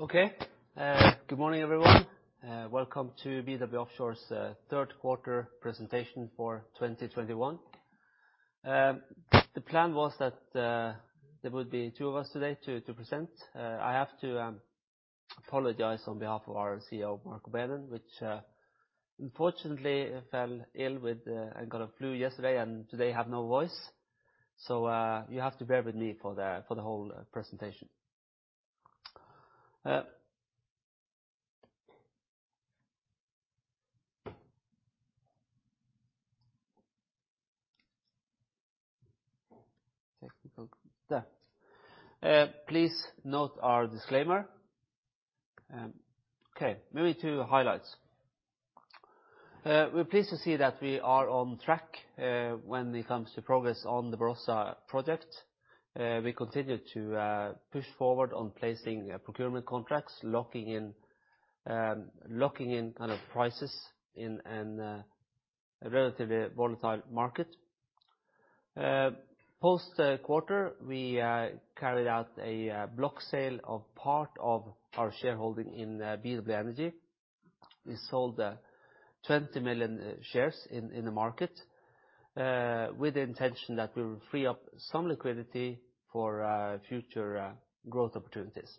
Okay. Good morning, everyone. Welcome to BW Offshore's third quarter presentation for 2021. The plan was that there would be two of us today to present. I have to apologize on behalf of our CEO, Marco Beenen, who unfortunately fell ill with a flu yesterday and today has no voice. You have to bear with me for the whole presentation. Please note our disclaimer. Okay, moving to highlights. We're pleased to see that we are on track when it comes to progress on the Barossa project. We continue to push forward on placing procurement contracts, locking in kind of prices in a relatively volatile market. Post-quarter, we carried out a block sale of part of our shareholding in BW Energy. We sold 20 million shares in the market with the intention that we will free up some liquidity for future growth opportunities.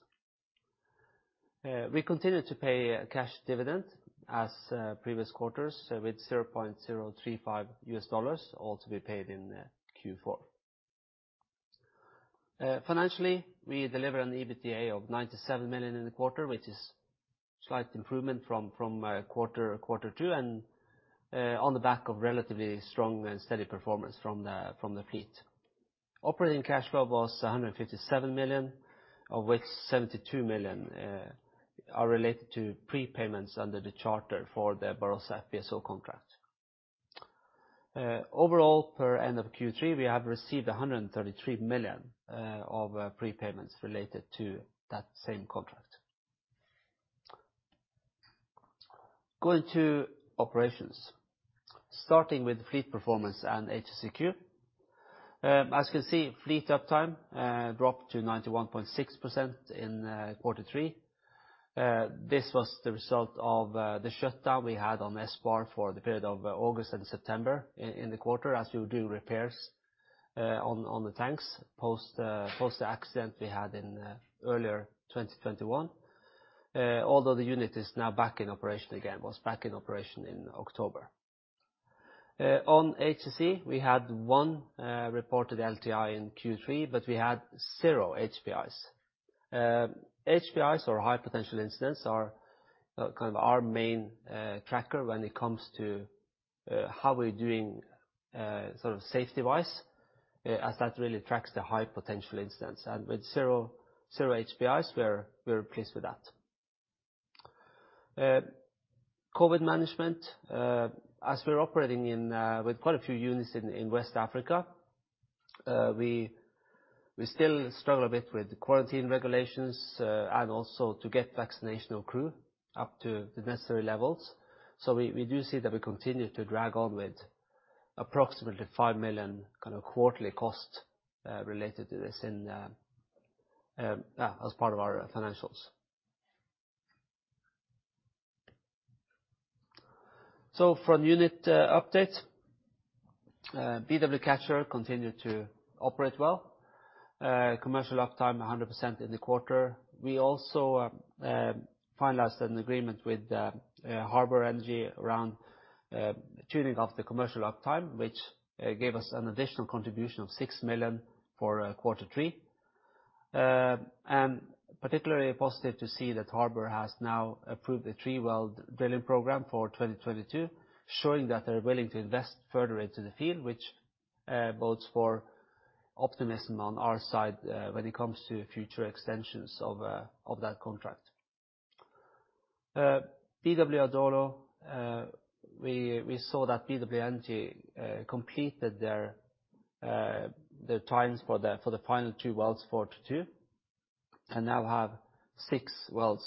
We continue to pay cash dividend as previous quarters with $0.035, all to be paid in Q4. Financially, we deliver an EBITDA of $97 million in the quarter, which is slight improvement from quarter two, and on the back of relatively strong and steady performance from the fleet. Operating cash flow was $157 million, of which $72 million are related to prepayments under the charter for the Barossa FPSO contract. Overall, as of the end of Q3, we have received $133 million of prepayments related to that same contract. Going to operations. Starting with fleet performance and HSEQ. As you can see, fleet uptime dropped to 91.6% in Q3. This was the result of the shutdown we had on Espoir for the period of August and September in the quarter, as we were doing repairs on the tanks post the accident we had in earlier 2021. Although the unit is now back in operation again and was back in operation in October. On HSE, we had one reported LTI in Q3, but we had zero HPIs. HPIs, or high potential incidents, are kind of our main tracker when it comes to how we're doing sort of safety-wise, as that really tracks the high potential incidents. With zero HPIs, we're pleased with that. COVID management, as we're operating with quite a few units in West Africa, we still struggle a bit with quarantine regulations and also to get vaccination of crew up to the necessary levels. We do see that we continue to drag on with approximately $5 million kind of quarterly cost related to this as part of our financials. For unit update, BW Catcher continued to operate well. Commercial uptime 100% in the quarter. We also finalized an agreement with Harbour Energy around tuning of the commercial uptime, which gave us an additional contribution of $6 million for Q3. Particularly positive to see that Harbour has now approved a 3-well drilling program for 2022, showing that they're willing to invest further into the field, which bodes for optimism on our side when it comes to future extensions of that contract. BW Adolo, we saw that BW Energy completed their tie-ins for the final two wells, from 4 to 6, and now have six wells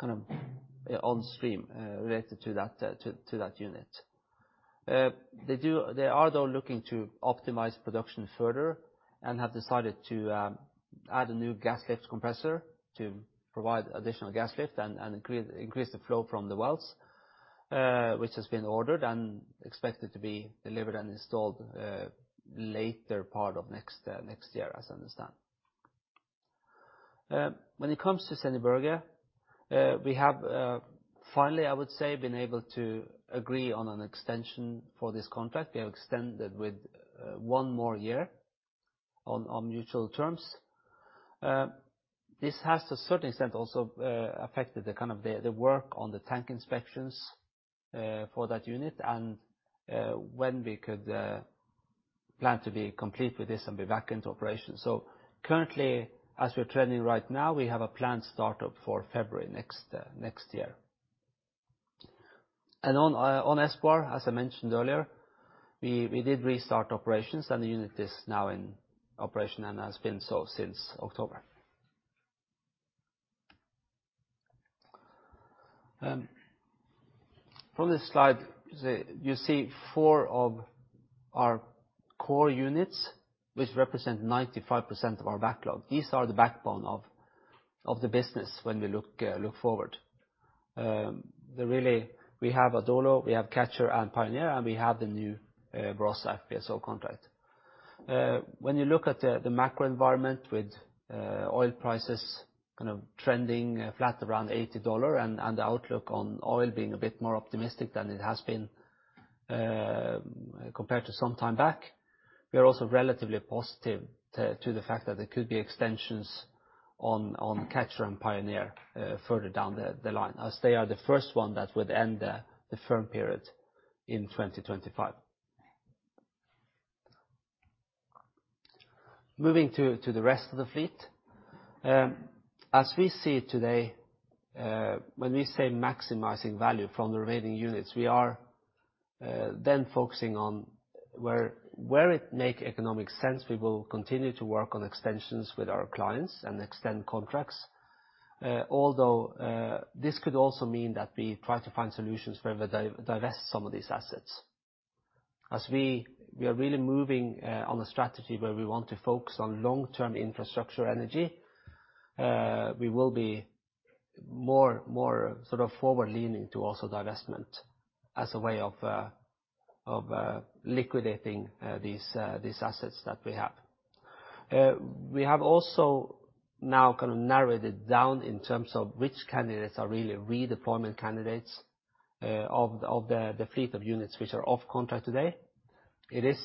kind of on stream related to that unit. They are looking to optimize production further and have decided to add a new gas lift compressor to provide additional gas lift and increase the flow from the wells, which has been ordered and expected to be delivered and installed later part of next year, as I understand. When it comes to Sendje Berge, we have finally, I would say, been able to agree on an extension for this contract. We have extended with one more year on mutual terms. This has to a certain extent also affected the work on the tank inspections for that unit and when we could plan to be complete with this and be back into operation. Currently, as we're trending right now, we have a planned startup for February next year. On Espoir, as I mentioned earlier, we did restart operations and the unit is now in operation and has been so since October. From this slide, you see four of our core units which represent 95% of our backlog. These are the backbone of the business when we look forward. We have Adolo, Catcher and Pioneer, and the new Barossa FPSO contract. When you look at the macro environment with oil prices kind of trending flat around $80 and the outlook on oil being a bit more optimistic than it has been compared to some time back, we are also relatively positive to the fact that there could be extensions on Catcher and Pioneer further down the line, as they are the first one that would end the firm period in 2025. Moving to the rest of the fleet. As we see it today, when we say maximizing value from the remaining units, we are then focusing on where it make economic sense, we will continue to work on extensions with our clients and extend contracts. Although this could also mean that we try to find solutions where we divest some of these assets. As we are really moving on a strategy where we want to focus on long-term infrastructure energy, we will be more sort of forward-leaning to also divestment as a way of liquidating these assets that we have. We have also now kind of narrowed it down in terms of which candidates are really redeployment candidates of the fleet of units which are off contract today. It is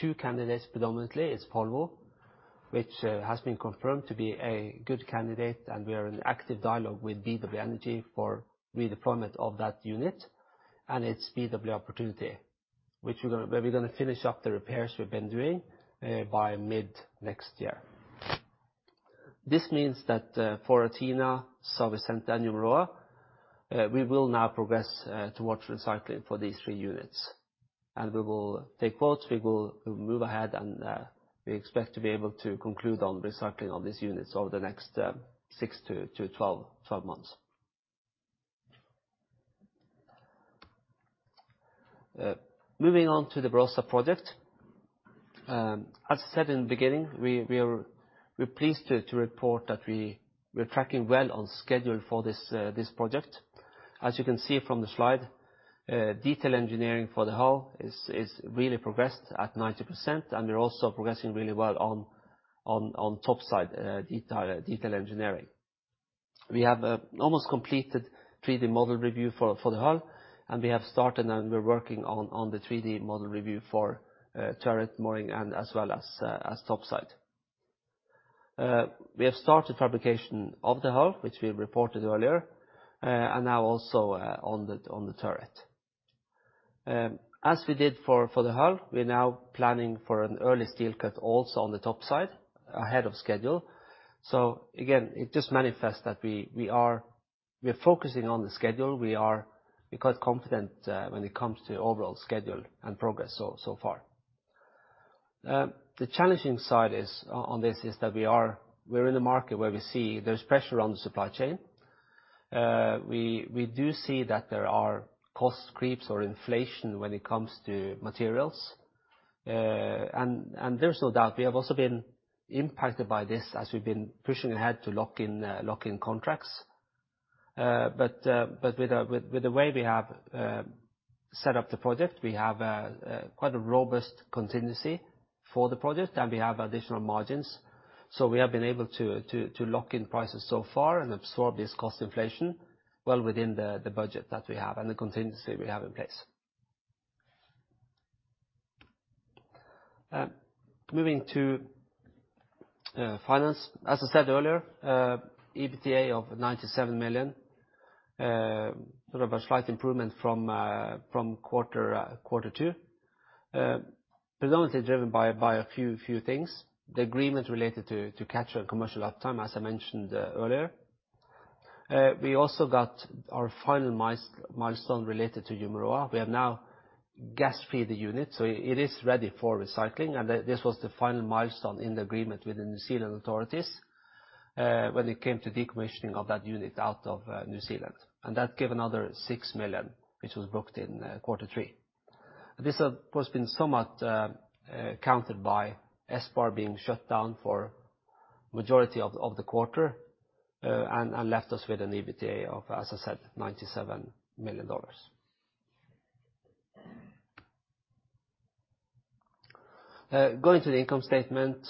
two candidates predominantly. It's Polvo, which has been confirmed to be a good candidate, and we are in active dialogue with BW Energy for redeployment of that unit. It's BW Opportunity, which we're gonna... Where we're gonna finish up the repairs we've been doing by mid next year. This means that for Athena, Cidade de São Vicente and Umuroa we will now progress towards recycling for these three units. We will take quotes, we will move ahead, and we expect to be able to conclude on recycling on these units over the next six to 12 months. Moving on to the Barossa project. As I said in the beginning, we are pleased to report that we are tracking well on schedule for this project. As you can see from the slide, detail engineering for the hull is really progressed at 90%, and we're also progressing really well on topside detail engineering. We have almost completed 3D model review for the hull, and we have started and we're working on the 3D model review for turret mooring and as well as top side. We have started fabrication of the hull, which we reported earlier, and now also on the turret. As we did for the hull, we're now planning for an early steel cut also on the top side ahead of schedule. It just manifests that we're focusing on the schedule. We're quite confident when it comes to overall schedule and progress so far. The challenging side of this is that we're in a market where we see there's pressure on the supply chain. We do see that there are cost creeps or inflation when it comes to materials. There's no doubt we have also been impacted by this as we've been pushing ahead to lock in contracts. With the way we have set up the project, we have quite a robust contingency for the project, and we have additional margins. We have been able to lock in prices so far and absorb this cost inflation well within the budget that we have and the contingency we have in place. Moving to finance. As I said earlier, EBITDA of $97 million, sort of a slight improvement from quarter two. Predominantly driven by a few things. The agreement related to Catcher and commercial uptime, as I mentioned, earlier. We also got our final milestone related to Umuroa. We have now gas-free the unit, so it is ready for recycling. This was the final milestone in the agreement with the New Zealand authorities, when it came to decommissioning of that unit out of New Zealand. That gave another $6 million, which was booked in quarter three. This has, of course, been somewhat countered by Espoir being shut down for majority of the quarter, and left us with an EBITDA of, as I said, $97 million. Going to the income statement,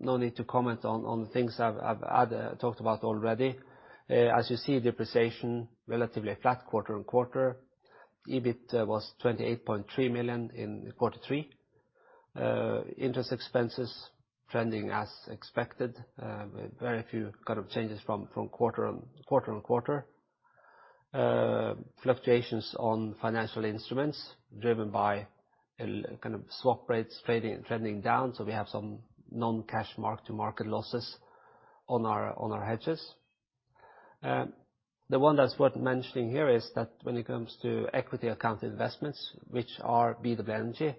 no need to comment on the things I've talked about already. As you see, depreciation relatively flat quarter-over-quarter. EBIT was $28.3 million in quarter three. Interest expenses trending as expected, with very few kind of changes from quarter-on-quarter. Fluctuations on financial instruments driven by a kind of swap rates trading, trending down, so we have some non-cash mark-to-market losses on our hedges. The one that's worth mentioning here is that when it comes to equity-accounted investments, which are BW Energy,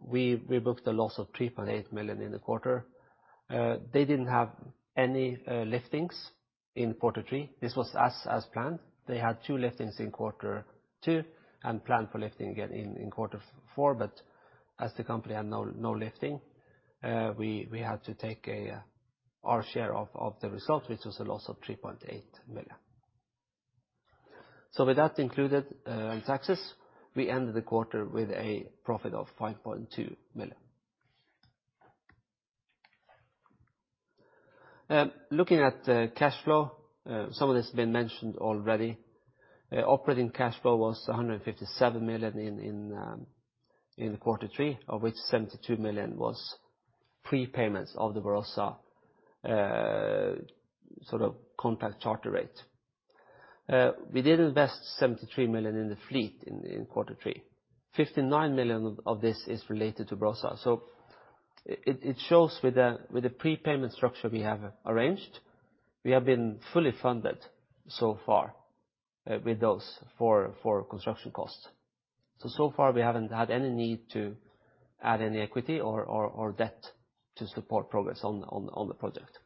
we booked a loss of $3.8 million in the quarter. They didn't have any liftings in quarter three. This was as planned. They had two liftings in quarter two and planned for lifting again in quarter four. As the company had no lifting, we had to take our share of the results, which was a loss of $3.8 million. With that included in taxes, we ended the quarter with a profit of $5.2 million. Looking at cash flow, some of this has been mentioned already. Operating cash flow was $157 million in quarter three, of which $72 million was prepayments of the Barossa sort of contract charter rate. We did invest $73 million in the fleet in quarter three. $59 million of this is related to Barossa. It shows with the prepayment structure we have arranged, we have been fully funded so far with those for construction costs. So far, we haven't had any need to add any equity or debt to support progress on the project.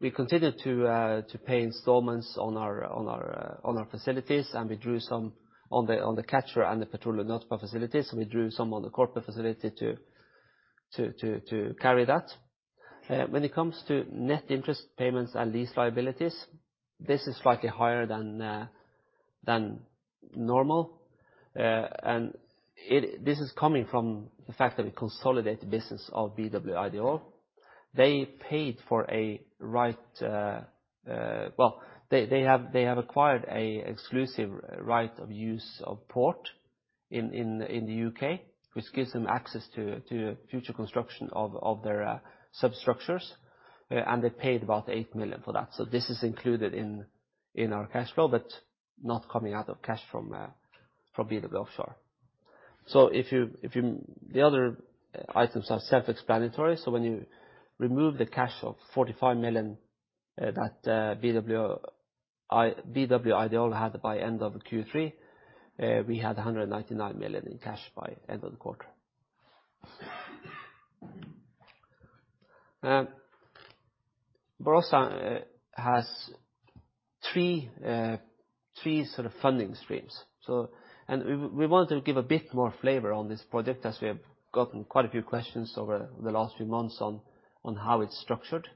We continued to pay installments on our facilities, and we drew some on the Catcher and the Petróleo Nautipa facilities, and we drew some on the corporate facility to carry that. When it comes to net interest payments and lease liabilities, this is slightly higher than normal. This is coming from the fact that we consolidate the business of BW Ideol. They paid for a right, well, they have acquired an exclusive right of use of port in the U.K., which gives them access to future construction of their substructures, and they paid about $8 million for that. This is included in our cash flow, but not coming out of cash from BW Offshore. If you... The other items are self-explanatory. When you remove the cash of $45 million that BW Ideol had by end of Q3, we had $199 million in cash by end of the quarter. Barossa has three sort of funding streams. We wanted to give a bit more flavor on this project as we have gotten quite a few questions over the last few months on how it's structured,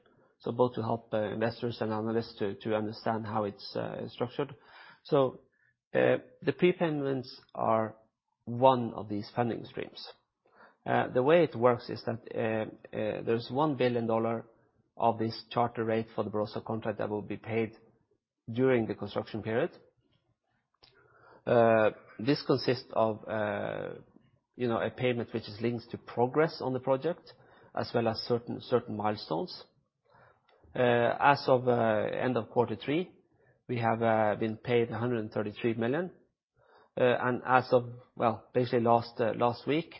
both to help investors and analysts to understand how it's structured. The prepayments are one of these funding streams. The way it works is that there's $1 billion of this charter rate for the Barossa contract that will be paid during the construction period. This consists of, you know, a payment which is linked to progress on the project as well as certain milestones. As of end of quarter three, we have been paid $133 million, and as of, well, basically last week,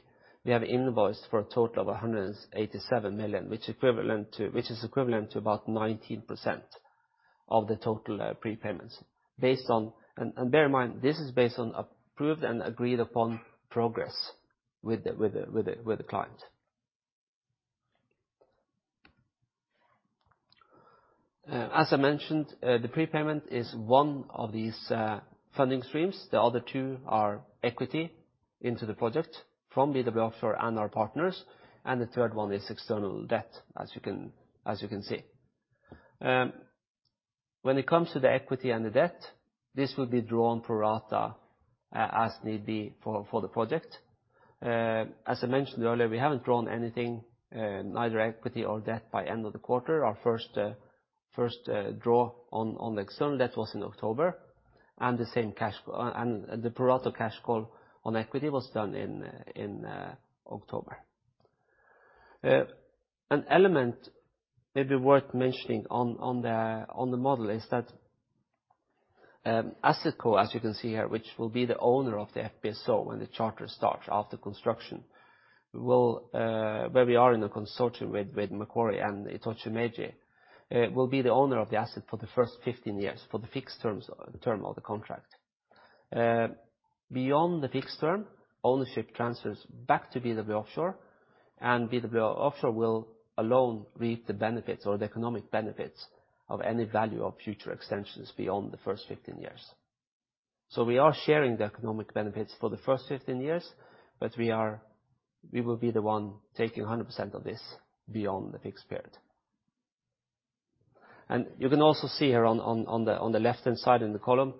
we have invoiced for a total of $187 million, which is equivalent to about 19% of the total prepayments. Bear in mind, this is based on approved and agreed upon progress with the client. As I mentioned, the prepayment is one of these funding streams. The other two are equity into the project from BW Offshore and our partners, and the third one is external debt, as you can see. When it comes to the equity and the debt, this will be drawn pro rata as need be for the project. As I mentioned earlier, we haven't drawn anything, neither equity or debt by the end of the quarter. Our first draw on the external debt was in October, and the same cash and the pro rata cash call on equity was done in October. An element maybe worth mentioning on the model is that, AssetCo, as you can see here, which will be the owner of the FPSO when the charter starts after construction, where we are in a consortium with Macquarie and ITOCHU, will be the owner of the asset for the first 15 years for the fixed term of the contract. Beyond the fixed term, ownership transfers back to BW Offshore, and BW Offshore will alone reap the benefits or the economic benefits of any value of future extensions beyond the first 15 years. We are sharing the economic benefits for the first 15 years, but we will be the one taking 100% of this beyond the fixed period. You can also see here on the left-hand side in the column,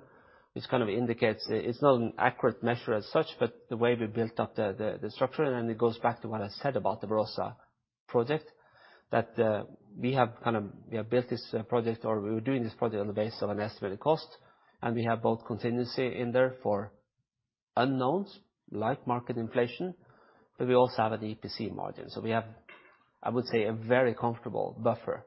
which kind of indicates it's not an accurate measure as such, but the way we built up the structure, and it goes back to what I said about the Barossa project, that we have kind of built this project, or we're doing this project on the basis of an estimated cost, and we have both contingency in there for unknowns like market inflation, but we also have an EPC margin. We have, I would say, a very comfortable buffer,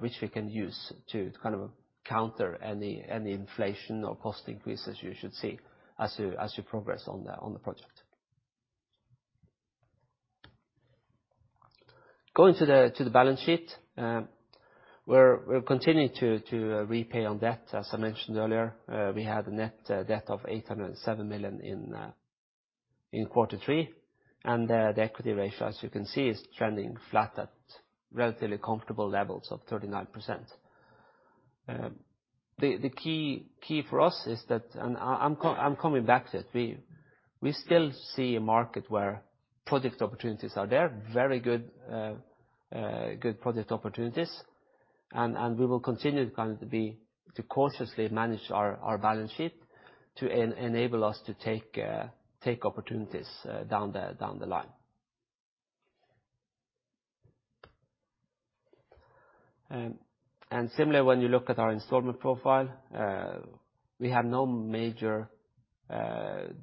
which we can use to kind of counter any inflation or cost increase as you should see as you progress on the project. Going to the balance sheet, we're continuing to repay on debt. As I mentioned earlier, we had a net debt of $807 million in quarter three. The equity ratio, as you can see, is trending flat at relatively comfortable levels of 39%. The key for us is that, I'm coming back to it, we still see a market where project opportunities are there, very good project opportunities. We will continue to cautiously manage our balance sheet to enable us to take opportunities down the line. Similarly, when you look at our installment profile, we have no major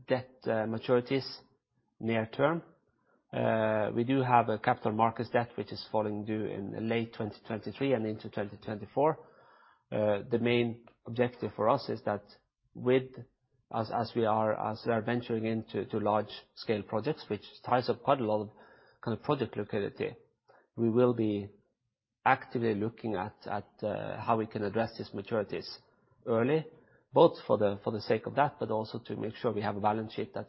debt maturities near term. We do have a capital markets debt, which is falling due in late 2023 and into 2024. The main objective for us is that as we are venturing into large-scale projects, which ties up quite a lot of kind of project liquidity, we will be actively looking at how we can address these maturities early, both for the sake of that, but also to make sure we have a balance sheet that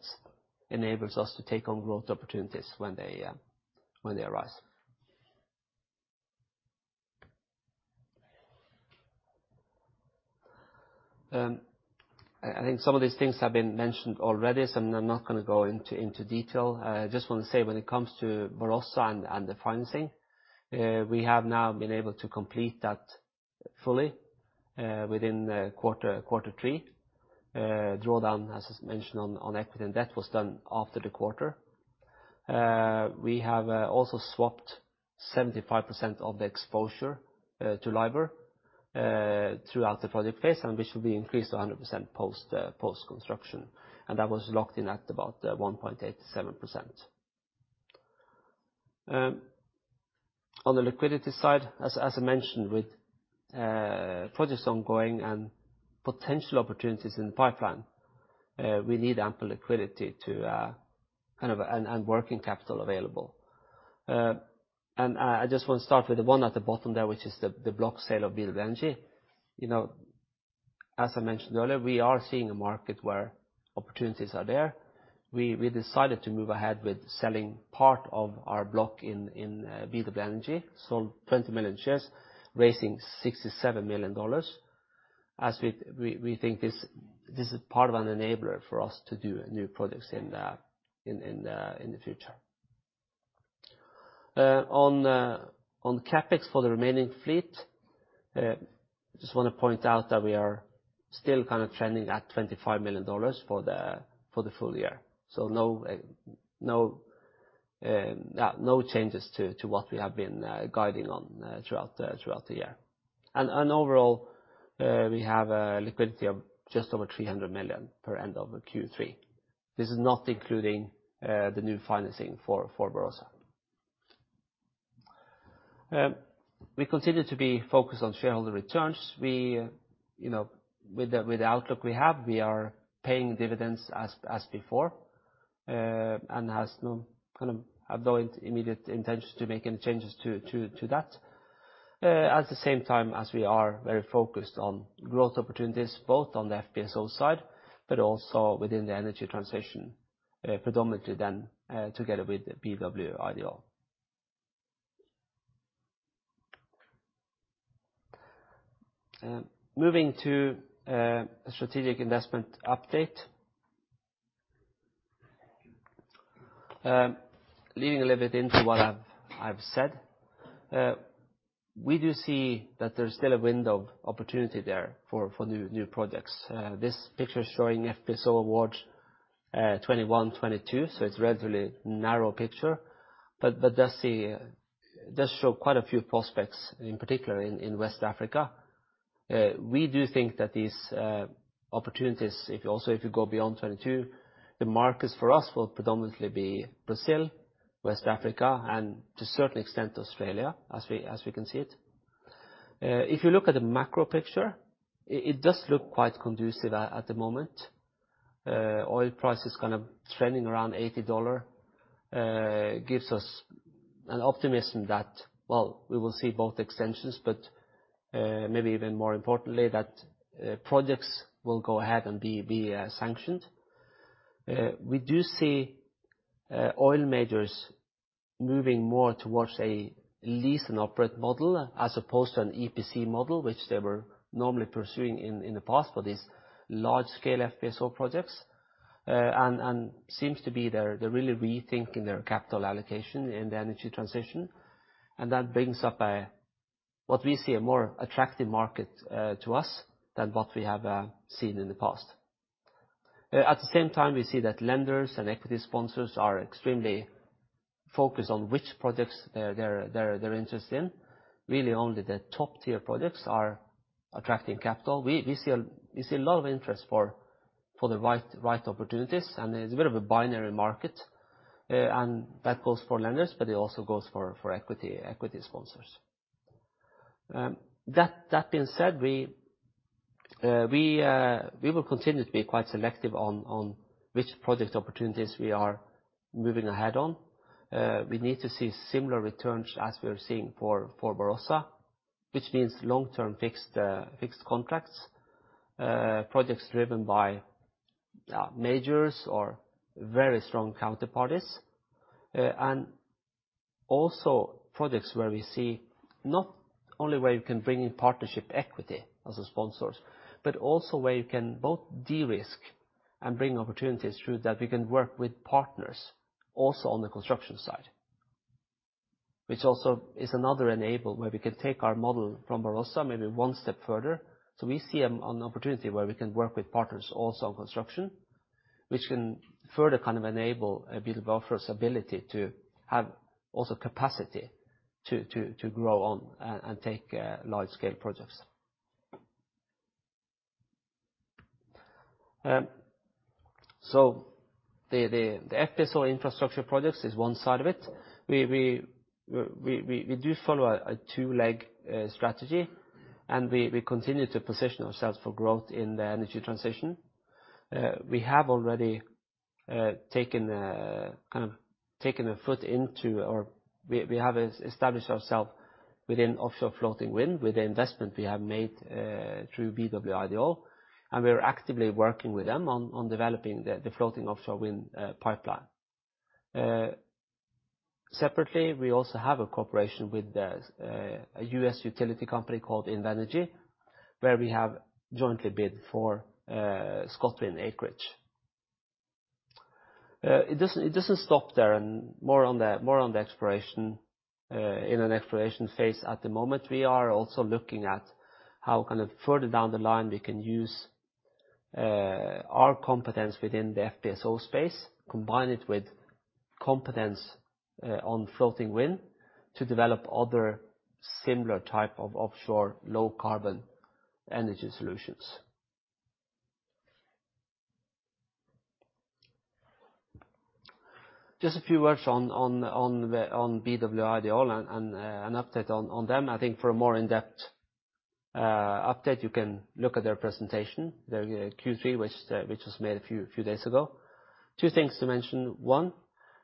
enables us to take on growth opportunities when they arise. I think some of these things have been mentioned already, so I'm not gonna go into detail. I just wanna say when it comes to Barossa and the financing, we have now been able to complete that fully within quarter three. Draw down, as mentioned on equity and debt, was done after the quarter. We have also swapped 75% of the exposure to LIBOR throughout the project phase and which will be increased to 100% post-construction. That was locked in at about 1.87%. On the liquidity side, as I mentioned, with projects ongoing and potential opportunities in the pipeline, we need ample liquidity and working capital available. I just want to start with the one at the bottom there, which is the block sale of BW Energy. You know, as I mentioned earlier, we are seeing a market where opportunities are there. We decided to move ahead with selling part of our block in BW Energy, sold 20 million shares, raising $67 million. As we think this is part of an enabler for us to do new products in the future. On CapEx for the remaining fleet, just wanna point out that we are still kind of trending at $25 million for the full-year. No changes to what we have been guiding on throughout the year. Overall, we have a liquidity of just over $300 million at end of Q3. This is not including the new financing for Barossa. We continue to be focused on shareholder returns. You know, with the outlook we have, we are paying dividends as before. Has no immediate intention to make any changes to that. At the same time, as we are very focused on growth opportunities, both on the FPSO side, but also within the energy transition, predominantly then together with BW Ideol. Moving to strategic investment update. Leaning a little bit into what I've said, we do see that there's still a window of opportunity there for new projects. This picture is showing FPSO awards, 21, 22, so it's relatively narrow picture. But does show quite a few prospects, in particular in West Africa. We do think that these opportunities, if you also, if you go beyond 2022, the markets for us will predominantly be Brazil, West Africa, and to a certain extent, Australia, as we can see it. If you look at the macro picture, it does look quite conducive at the moment. Oil price is kind of trending around $80. Gives us an optimism that, well, we will see both extensions, but maybe even more importantly, that projects will go ahead and be sanctioned. We do see oil majors moving more towards a lease and operate model as opposed to an EPC model, which they were normally pursuing in the past for these large scale FPSO projects. Seems to be they're really rethinking their capital allocation in the energy transition. That brings up what we see as a more attractive market to us than what we have seen in the past. At the same time, we see that lenders and equity sponsors are extremely focused on which projects they're interested in. Really only the top-tier projects are attracting capital. We see a lot of interest for the right opportunities, and it's a bit of a binary market. That goes for lenders, but it also goes for equity sponsors. That being said, we will continue to be quite selective on which project opportunities we are moving ahead on. We need to see similar returns as we are seeing for Barossa, which means long-term fixed contracts. Projects driven by majors or very strong counterparties. Also projects where we see not only you can bring in partnership equity as a sponsor, but also where you can both de-risk and bring opportunities through that we can work with partners also on the construction side. Which also is another enabler where we can take our model from Barossa maybe one step further. We see an opportunity where we can work with partners also on construction, which can further kind of enable a bit of Offshore's ability to have also capacity to grow on and take large-scale projects. The FPSO infrastructure projects is one side of it. We do follow a two-leg strategy. We continue to position ourselves for growth in the energy transition. We have established ourselves within offshore floating wind with the investment we have made through BW Ideol. We are actively working with them on developing the floating offshore wind pipeline. Separately, we also have a cooperation with a U.S. utility company called Invenergy, where we have jointly bid for Scotland acreage. It doesn't stop there. More on the exploration, in an exploration phase at the moment, we are also looking at how kind of further down the line we can use our competence within the FPSO space, combine it with competence on floating wind to develop other similar type of offshore low-carbon energy solutions. Just a few words on the BW Ideol and an update on them. I think for a more in-depth update, you can look at their presentation, their Q3, which was made a few days ago. Two things to mention. One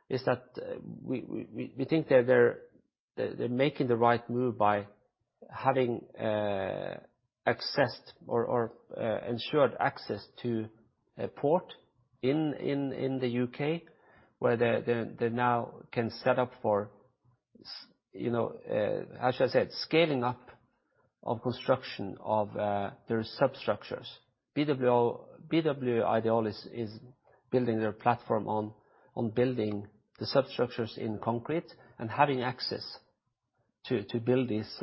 is that we think that they're making the right move by having accessed or ensured access to a port in the U.K., where they now can set up for, you know, as I said, scaling up of construction of their substructures. BW Ideol is building their platform on building the substructures in concrete and having access to build these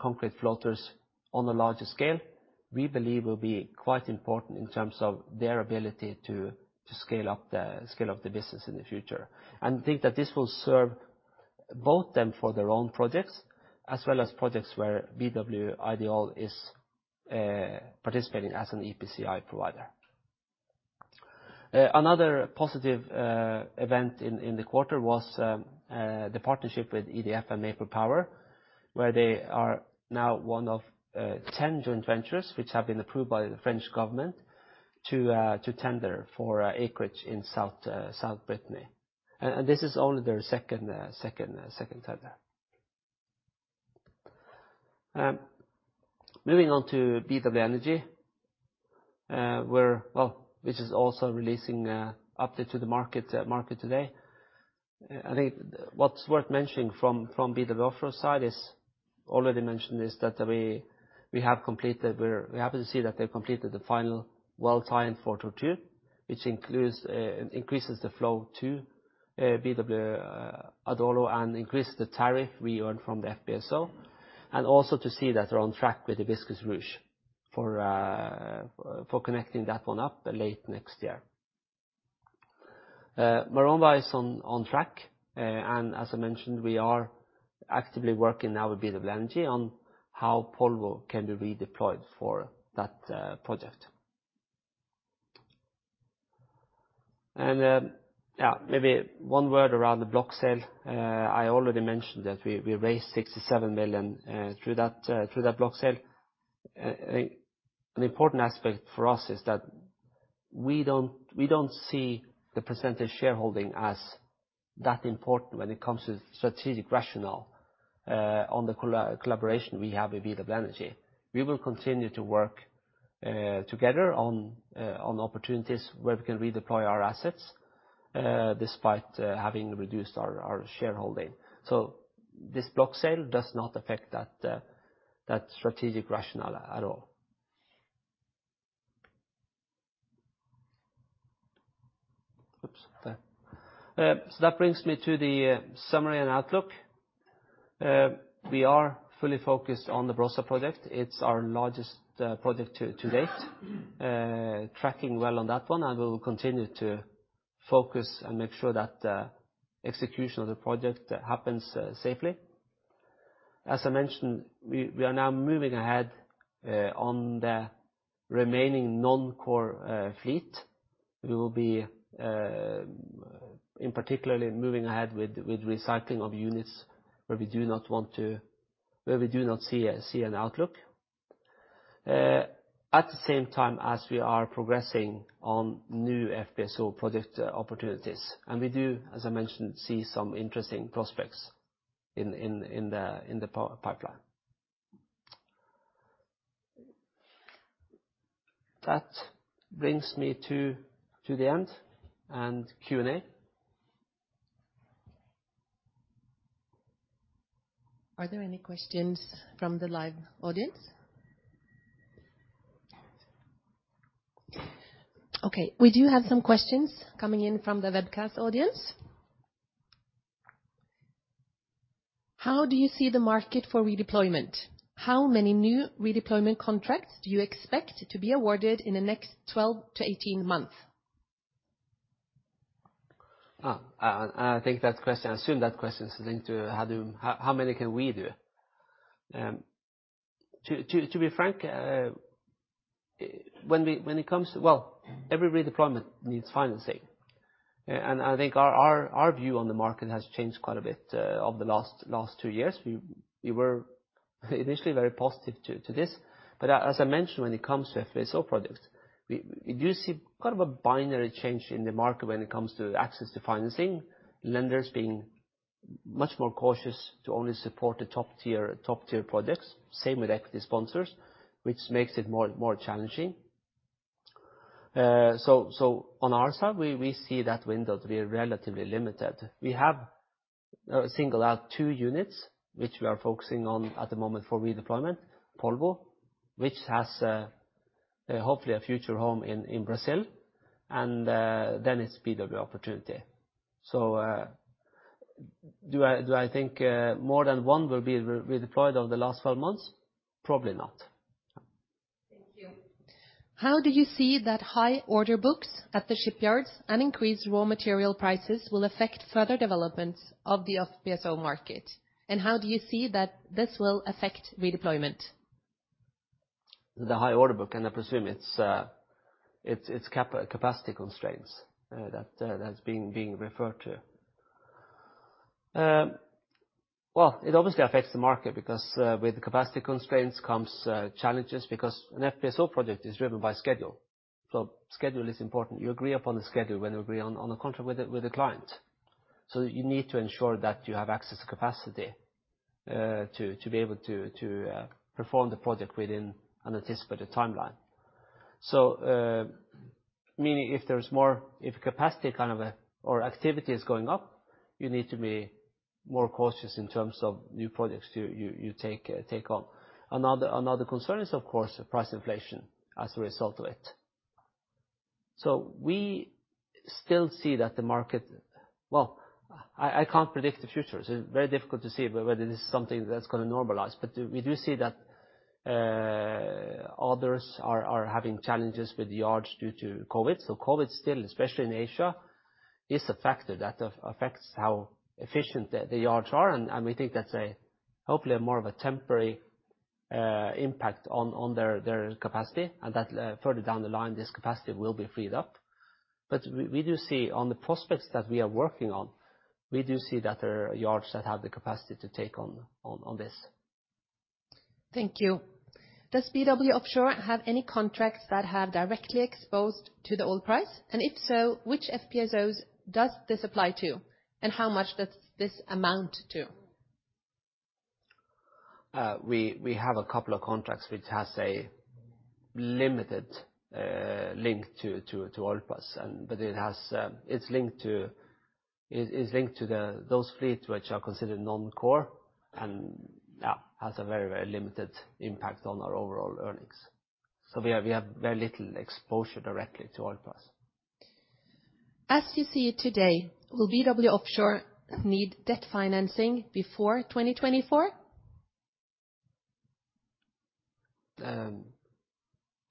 concrete floaters on a larger scale. We believe will be quite important in terms of their ability to scale up the business in the future. Think that this will serve both them for their own projects, as well as projects where BW Ideol is participating as an EPCI provider. Another positive event in the quarter was the partnership with EDF and Maple Power, where they are now one of 10 joint ventures which have been approved by the French government to tender for acreage in South Brittany. This is only their second tender. Moving on to BW Energy, which is also releasing update to the market today. I think what's worth mentioning from BW Offshore's side is that we're happy to see that they've completed the final well tie-in for Tortue, which includes increases the flow to BW Adolo and increases the tariff we earn from the FPSO, and also to see that they're on track with Hibiscus/Ruche for connecting that one up late next year. Morondava is on track. As I mentioned, we are actively working now with BW Energy on how Polvo can be redeployed for that project. Yeah, maybe one word around the block sale. I already mentioned that we raised $67 million through that block sale. I think an important aspect for us is that we don't see the percentage shareholding as that important when it comes to strategic rationale on the collaboration we have with BW Energy. We will continue to work together on opportunities where we can redeploy our assets despite having reduced our shareholding. This block sale does not affect that strategic rationale at all. That brings me to the summary and outlook. We are fully focused on the Barossa project. It's our largest project to date. Tracking well on that one, and we will continue to focus and make sure that execution of the project happens safely. As I mentioned, we are now moving ahead on the remaining non-core fleet. We will be in particular moving ahead with recycling of units where we do not see an outlook. At the same time as we are progressing on new FPSO project opportunities, and we do, as I mentioned, see some interesting prospects in the pipeline. That brings me to the end and Q&A. Are there any questions from the live audience? Okay, we do have some questions coming in from the webcast audience. How do you see the market for redeployment? How many new redeployment contracts do you expect to be awarded in the next 12-18 months? I think that question is linked to how many can we do? To be frank, every redeployment needs financing. I think our view on the market has changed quite a bit over the last two years. We were initially very positive to this. As I mentioned, when it comes to FPSO projects, we do see kind of a binary change in the market when it comes to access to financing, lenders being much more cautious to only support the top tier projects. Same with equity sponsors, which makes it more challenging. On our side, we see that window to be relatively limited. We have singled out two units which we are focusing on at the moment for redeployment. Polvo, which has hopefully a future home in Brazil, and then it's BW Opportunity. Do I think more than one will be redeployed over the last 12 months? Probably not. Thank you. How do you see that high order books at the shipyards and increased raw material prices will affect further developments of the FPSO market? How do you see that this will affect redeployment? The high order book, and I presume it's capacity constraints that's being referred to. Well, it obviously affects the market because with capacity constraints comes challenges because an FPSO project is driven by schedule. Schedule is important. You agree upon the schedule when you agree on a contract with a client. You need to ensure that you have access to capacity to be able to perform the project within an anticipated timeline. Meaning if capacity or activity is going up, you need to be more cautious in terms of new projects you take on. Another concern is of course price inflation as a result of it. We still see that the market... Well, I can't predict the future. It's very difficult to say whether this is something that's gonna normalize. We do see that others are having challenges with yards due to COVID. COVID still, especially in Asia, is a factor that affects how efficient the yards are. We think that's hopefully more of a temporary impact on their capacity and that further down the line, this capacity will be freed up. We do see on the prospects that we are working on, we do see that there are yards that have the capacity to take on this. Thank you. Does BW Offshore have any contracts that have directly exposed to the oil price? And if so, which FPSOs does this apply to? And how much does this amount to? We have a couple of contracts which has a limited link to oil price. It's linked to those fleets which are considered non-core and has a very limited impact on our overall earnings. We have very little exposure directly to oil price. As you see it today, will BW Offshore need debt financing before 2024?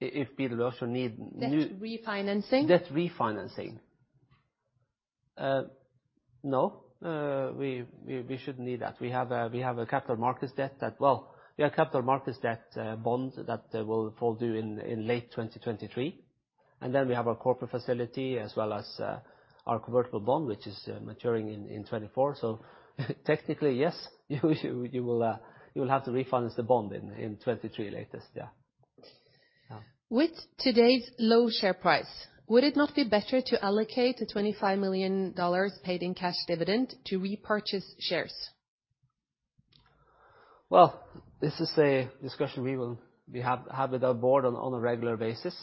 If BW Offshore need new- Debt refinancing. Debt refinancing. No, we shouldn't need that. We have capital markets debt that, well, we have capital markets debt bond that will fall due in late 2023. We have our corporate facility as well as our convertible bond, which is maturing in 2024. Technically, yes. You will have to refinance the bond in 2023 latest, yeah. Yeah. With today's low share price, would it not be better to allocate the $25 million paid in cash dividend to repurchase shares? Well, this is a discussion we have with our board on a regular basis.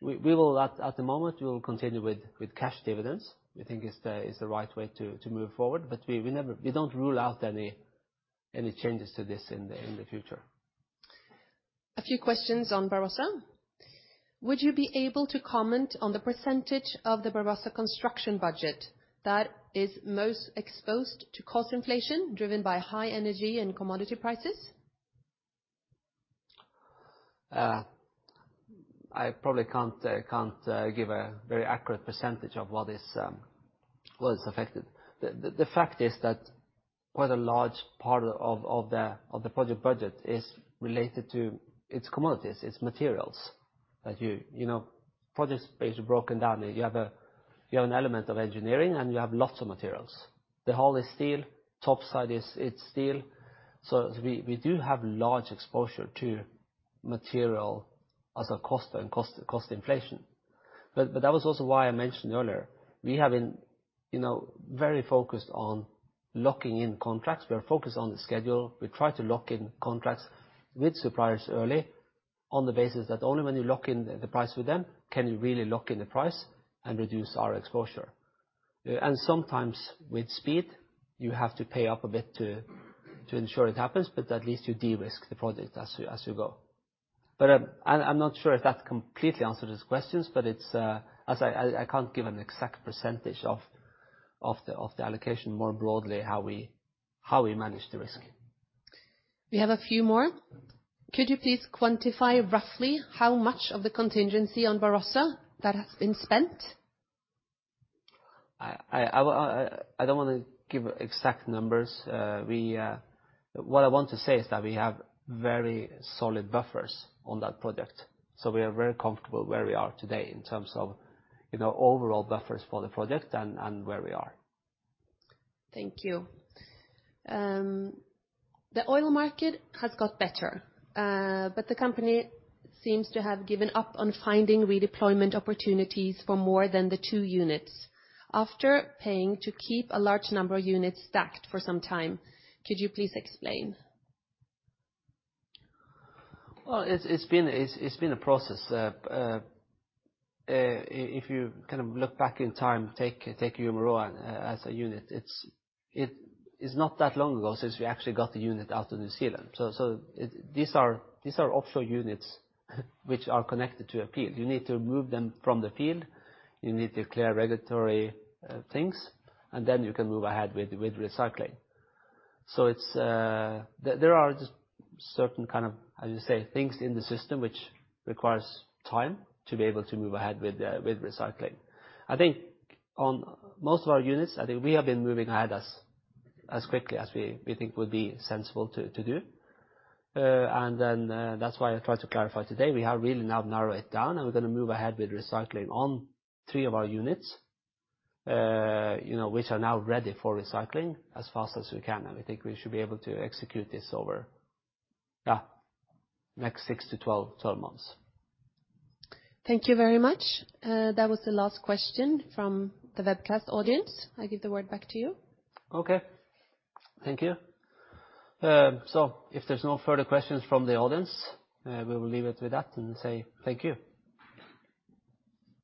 We will at the moment continue with cash dividends. We think it's the right way to move forward. We never rule out any changes to this in the future. A few questions on Barossa. Would you be able to comment on the percentage of the Barossa construction budget that is most exposed to cost inflation driven by high energy and commodity prices? I probably can't give a very accurate percentage of what is affected. It's affected. The fact is that quite a large part of the project budget is related to its commodities, its materials. That, you know, projects are broken down. You have an element of engineering, and you have lots of materials. The hull is steel. Topside is steel. We do have large exposure to materials cost and cost inflation. That was also why I mentioned earlier, we have been, you know, very focused on locking in contracts. We are focused on the schedule. We try to lock in contracts with suppliers early on the basis that only when you lock in the price with them can you really lock in the price and reduce our exposure. Sometimes with speed, you have to pay up a bit to ensure it happens, but at least you de-risk the project as you go. I'm not sure if that completely answered his questions, but I can't give an exact percentage of the allocation, more broadly how we manage the risk. We have a few more. Could you please quantify roughly how much of the contingency on Barossa that has been spent? I don't wanna give exact numbers. What I want to say is that we have very solid buffers on that project. We are very comfortable where we are today in terms of, you know, overall buffers for the project and where we are. Thank you. The oil market has got better, but the company seems to have given up on finding redeployment opportunities for more than the two units after paying to keep a large number of units stacked for some time. Could you please explain? Well, it's been a process. If you kind of look back in time, take Umuroa as a unit, it is not that long ago since we actually got the unit out of New Zealand. These are offshore units which are connected to a field. You need to move them from the field, you need to clear regulatory things, and then you can move ahead with recycling. There are just certain kind of, how you say, things in the system which requires time to be able to move ahead with recycling. I think on most of our units, I think we have been moving ahead as quickly as we think would be sensible to do. That's why I tried to clarify today. We have really now narrowed it down, and we're gonna move ahead with recycling on three of our units, you know, which are now ready for recycling as fast as we can. I think we should be able to execute this over next six to 12 months. Thank you very much. That was the last question from the webcast audience. I give the word back to you. Okay. Thank you. If there's no further questions from the audience, we will leave it with that and say thank you.